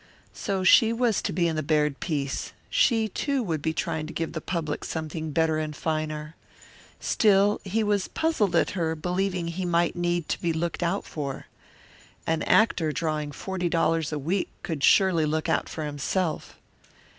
So she was to be in the Baird piece; she, too, would be trying to give the public something better and finer. Still, he was puzzled at her believing he might need to be looked out for. An actor drawing forty dollars a week could surely look out for himself.